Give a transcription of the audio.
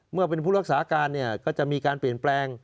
เมื่อเป็นผู้รักษาการเนี่ยก็จะมีการเปลี่ยนแปลง